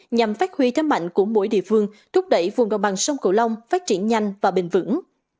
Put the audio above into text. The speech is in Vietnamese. nhằm phát huy thêm mạnh của mỗi địa phương thúc đẩy vùng đồng bằng sông cổ long phát triển nhanh và bình vững